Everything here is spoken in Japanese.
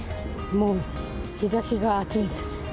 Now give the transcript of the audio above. もう、日ざしが暑いです。